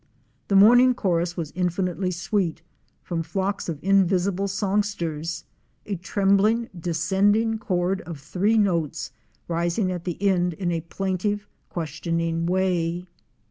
The morning chorus was infinitely sweet, from flocks of invisible song sters, —a trembling descending chord of three notes, rising at the end in a plaintive, questioning way.